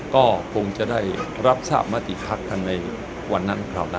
ก็คงจะได้รับทราบมติพักกันในวันนั้นคราวนั้น